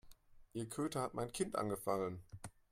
Ihr Köter hat mein Kind angefallen.